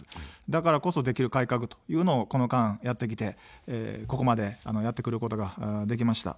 だからこそ、できる改革というのを、この間やってきて、ここまでやってくることができました。